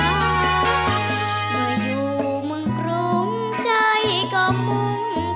เมื่ออยู่เมืองกรุงใจก็มุ่ง